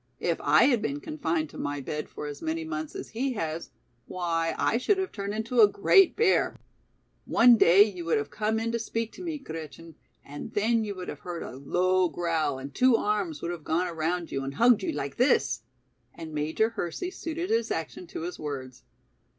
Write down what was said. If I had been confined to my bed for as many months as he has, why I should have turned into a great bear. One day you would have come in to speak to me, Gretchen, and then you would have heard a low growl and two arms would have gone around you and hugged you like this," and Major Hersey suited his action to his words.